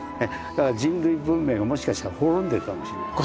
だから人類文明がもしかしたら滅んでるかもしれない。